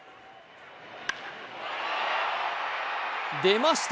出ました！